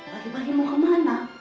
pagi pagi mau kemana